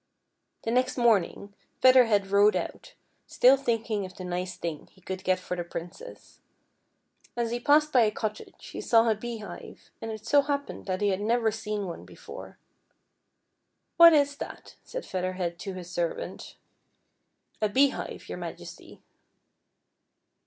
The next morning Feather^Head rode out, still think insf of the nice thincr he could fjet for the Princess. FEATHER HEAD. 237 A? he passed by a cottage he saw a beehive, and it so happened that he had never seen one before. "What is that ?" said Featlier Head to his servant. " A beehive, your Majesty."